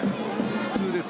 普通です。